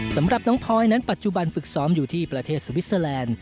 สำหรับน้องพลอยนั้นปัจจุบันฝึกซ้อมอยู่ที่ประเทศสวิสเตอร์แลนด์